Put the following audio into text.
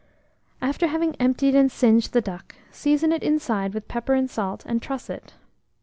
Mode. After having emptied and singed the duck, season it inside with pepper and salt, and truss it.